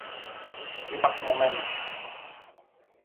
είπα θυμωμένος